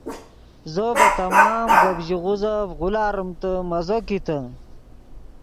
زو ڤے تمام گپ ژیغوزف غولاریمتے مزو کیتے